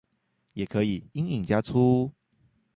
也可以陰影加粗